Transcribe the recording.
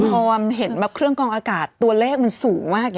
พอมันเห็นแบบเครื่องกองอากาศตัวเลขมันสูงมาก